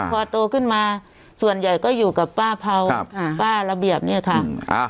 พอโตขึ้นมาส่วนใหญ่ก็อยู่กับป้าเผาป้าระเบียบเนี่ยค่ะ